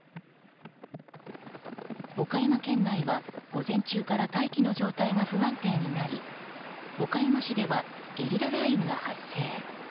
岡山県内は、午前中から大気の状態が不安定になり岡山市ではゲリラ雷雨が発生。